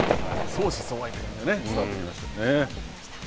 相思相愛という感じが伝わってきましたね。